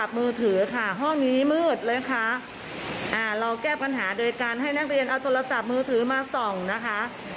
เราแก้ปัญหาโดยการให้นักเรียนเอาโทรศัพท์มือถือมาส่องนะคะ